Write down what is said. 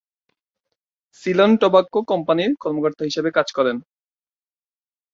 Ceylon tobacco কোম্পানির কর্মকর্তা হিসেবে কাজ করেন।